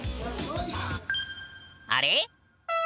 あれ？